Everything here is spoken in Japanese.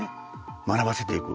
学ばせていく。